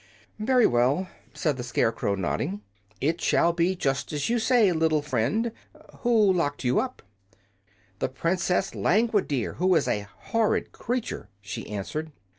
"Very well," said the Scarecrow, nodding. "It shall be just as you say, little friend. Who locked you up?" "The princess Langwidere, who is a horrid creature," she answered.